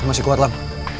kau masih kuat lang